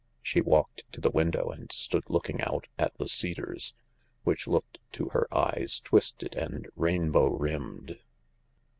She walked to the window and stood looking 150 THE LARK 151 out at the cedars, which looked, to her eyes, twisted and rainbow rimmed.